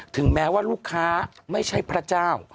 ถึงแม้ว่าลูกค้าไม่ใช่พระเจ้า